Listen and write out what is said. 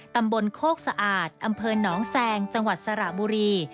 ตำบลโคกสะอาดอำเภอหนองแซงจังหวัดสระบุรี